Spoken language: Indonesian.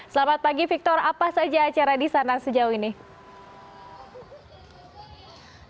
selamat pagi victor apa saja acara di sana sejauh ini